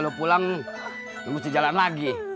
kalau lo pulang lo mesti jalan lagi